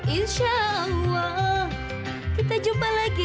insya allah kita jumpa lagi